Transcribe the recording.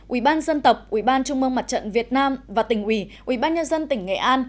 ubnd ubnd trung mương mặt trận việt nam và tỉnh uỷ ubnd tỉnh nghệ an